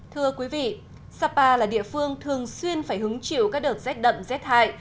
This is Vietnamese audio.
thưa quý vị sapa là địa phương thường xuyên phải hứng chịu các đợt rét đậm rét hại